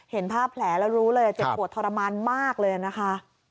เห็นภาพแผลแล้วรู้เลยเจ็บปวดทรมานมากเลยนะคะ